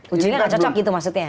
kucingnya nggak cocok gitu maksudnya